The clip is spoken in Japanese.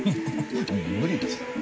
無理です